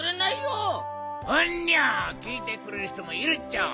うんにゃきいてくれるひともいるっちゃ。